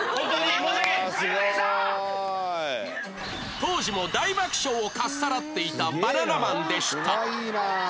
当時も大爆笑をかっさらっていたバナナマンでした